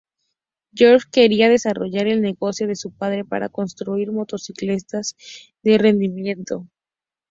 George quería desarrollar el negocio de su padre para construir motocicletas de alto rendimiento.